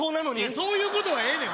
そういうことはええねん！